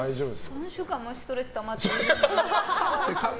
３週間もストレスたまってるの？